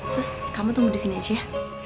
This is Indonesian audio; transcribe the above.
sus kamu tunggu di sini aja ya